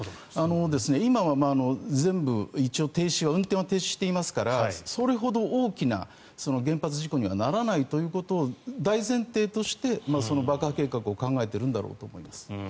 今は全部一応運転は停止していますからそれほど大きな原発事故にはならないということを大前提として爆破計画を考えているんだろうと思います。